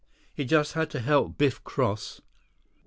He just had to help Biff cross.